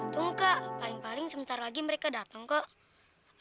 tunggu kak paling paling sebentar lagi mereka datang kok